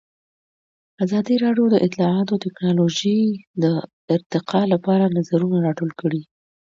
ازادي راډیو د اطلاعاتی تکنالوژي د ارتقا لپاره نظرونه راټول کړي.